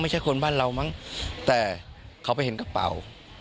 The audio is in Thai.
คนบ้านเรามั้งแต่เขาไปเห็นกระเป๋า